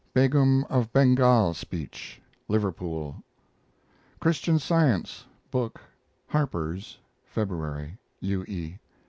Begum of Bengal speech (Liverpool). CHRISTIAN SCIENCE book (Harpers), February. U. E.